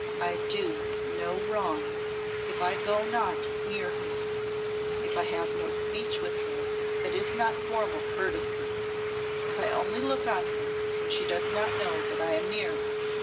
"I do no wrong if I go not near her if I have no speech with her that is not formal courtesy if I only look on her when she does not know that I am near.